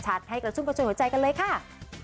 ให้กันมาชุมเข้าใจของใจกันเลยค่ะ